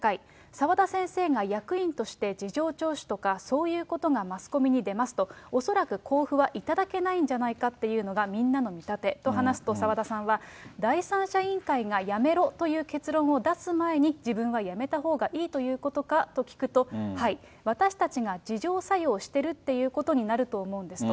澤田先生が役員として事情聴取とかそういうことがマスコミに出ますと、恐らく交付はいただけないんじゃないかというのがみんなの見立てと話すと、澤田さんが、第三者委員会がやめろという結論を出す前に自分は辞めたほうがいいということかと聞くと、はい、私たちが自浄作用してるってことになると思うんですと。